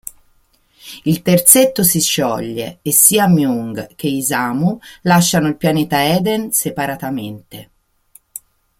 Il terzetto si scioglie e sia Myung che Isamu lasciano il pianeta Eden separatamente.